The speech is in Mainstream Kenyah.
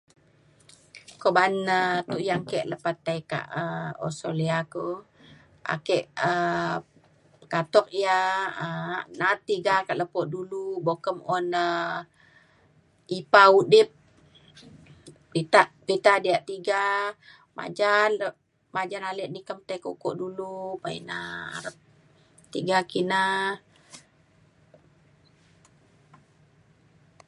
ko ba'an na tuyang ke lepah tai kak um Australia ku ake um katuk ia' um na'at tiga kak lepo dulu buk kem un na ipa udip pita pita diak tiga majan le majan ale nyi ikem tei kak ukok dulu. pa ina arep tiga kina.